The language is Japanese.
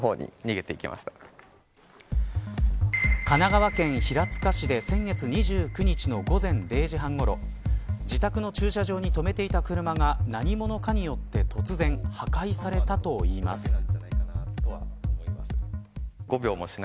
神奈川県平塚市で先月２９日の午前０時半ごろ自宅の駐車場に止めていた車が何者かによって突然破壊されたといいます。